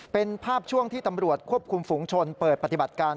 เป็นภาพช่วงที่ตำรวจควบคุมฝูงชนเปิดปฏิบัติการ